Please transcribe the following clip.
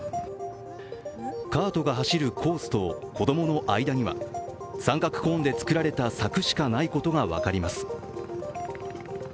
カートが走るコースと、子供の間には三角コーンで作られた柵しかないことが分かります。